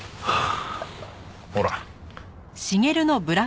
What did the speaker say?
ほら。